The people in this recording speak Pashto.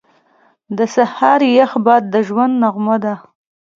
• د سهار یخ باد د ژوند نغمه ده.